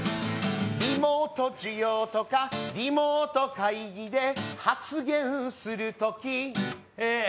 「リモート授業とかリモート会議で発言するとき」え